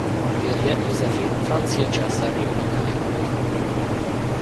Férje Joséphine francia császárné unokája volt.